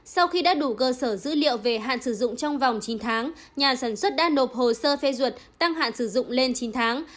sau khi đã đủ cơ sở dữ liệu về hạn sử dụng trong vòng chín tháng nhà sản xuất đã nộp hồ sơ phê duyệt tăng hạn sử dụng lên chín tháng